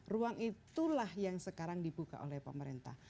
ruang itulah yang sekarang dibuka oleh pemerintah